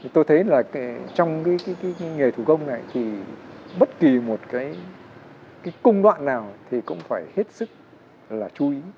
tôi thấy là trong cái nghề thủ công này thì bất kỳ một cái công đoạn nào thì cũng phải hết sức là chú ý